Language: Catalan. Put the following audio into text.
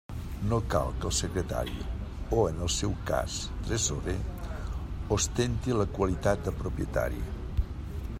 No cal que el Secretari o, en el seu cas, Tresorer, ostentin la qualitat de propietari.